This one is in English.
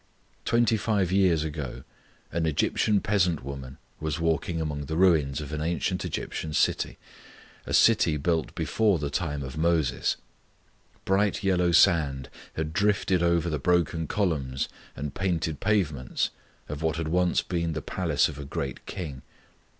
Twenty five years ago an Egyptian peasant woman was walking among the ruins of an ancient Egyptian city a city built before the time of Moses. Bright yellow sand had drifted over the broken columns and painted pavements of what had once been the palace of a great king.